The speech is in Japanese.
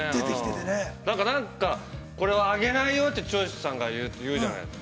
なんかこれはあげないよって長州さんが言うじゃないですか。